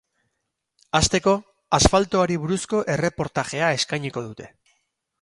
Hasteko, asfaltoari buruzko erreportajea eskainiko dute.